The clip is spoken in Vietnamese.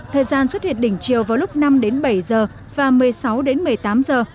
thời gian xuất hiện đỉnh chiều vào lúc năm đến bảy giờ và một mươi sáu đến một mươi tám giờ